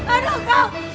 aduh aku takut